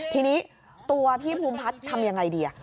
ทีนี้ตัวพี่พุมพัฒน์ทำอย่างไรดี